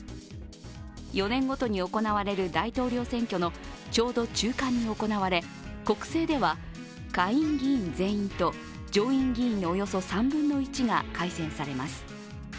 ４年ごとに行われる大統領選挙のちょうど中間に行われ、国政では下院議員全員と上院議員のおよそ３分の１が改選されます。